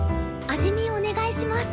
味見お願いします。